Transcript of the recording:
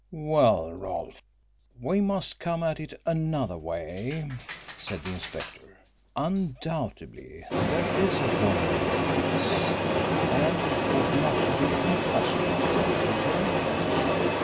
"Well, Rolfe, we must come at it another way," said the inspector. "Undoubtedly there is a woman in the case, and it ought not to be impossible to locate her.